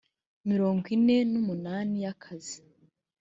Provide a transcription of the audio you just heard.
mirongo ine n umunani y akazi